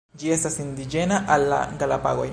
Ĝi estas indiĝena al la Galapagoj.